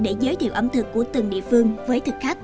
để giới thiệu ẩm thực của từng địa phương với thực khách